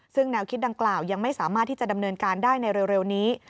ซึ่งแนวคิดดังกล่าวยังไม่สามารถที่จะดำเนินการได้ในเร็วนี้